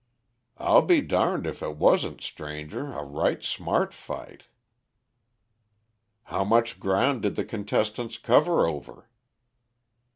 'I'll be darned if it wasn't stranger, a right smart fight'. 'How much ground did the contestants cover over?